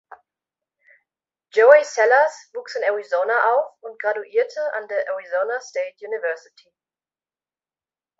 Joey Sellers wuchs in Arizona auf und graduierte an der Arizona State University.